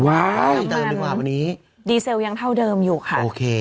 เดิมดีกว่าวันนี้ดีเซลยังเท่าเดิมอยู่ค่ะโอเค